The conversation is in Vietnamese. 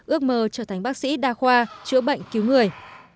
ước mơ trở thành bác sĩ đa khoa chữa bệnh cứu người